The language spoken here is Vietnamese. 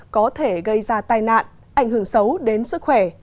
có thể gây ra tai nạn ảnh hưởng xấu đến sức khỏe